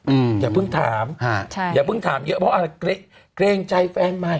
อืมอย่าเพิ่งถามฮะใช่อย่าเพิ่งถามเยอะเพราะอะไรเกรงใจแฟนใหม่